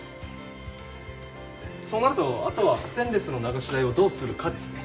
そうなるとあとはステンレスの流し台をどうするかですね。